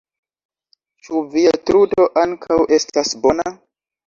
Ĉu via truto ankaŭ estas bona?